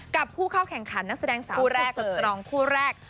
กับผู้เข้าแข่งขันนักแสดงสาวคู่แรกสตรองคู่แรก